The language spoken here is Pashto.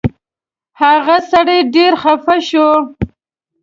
هغه سړی ډېر خفه شو.